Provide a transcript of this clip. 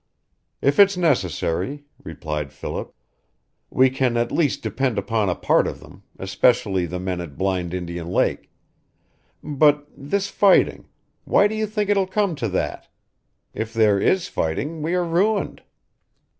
"If it's necessary," replied Philip. "We can at least depend upon a part of them, especially the men at Blind Indian Lake. But this fighting Why do you think it will come to that? If there is fighting we are ruined."